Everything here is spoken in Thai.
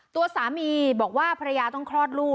ตัวสามีบอกว่าภรรยาต้องคลอดลูก